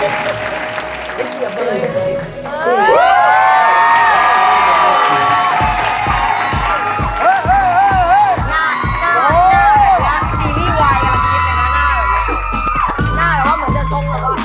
หน้าหรือเปล่ามันจะทงล่ะป่ะ